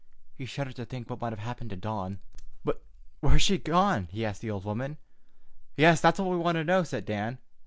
He shuddered to think what might have happened to Dawn. "But where has she gone?" he asked the old woman. "Yes, that's what we want to know," said Dan.